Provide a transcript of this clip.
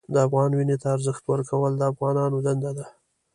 د افغان وینې ته ارزښت ورکول د افغانانو دنده ده.